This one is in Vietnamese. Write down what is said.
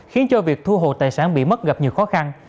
khiến cho việc thu hồi tài sản bị mất gặp nhiều khó khăn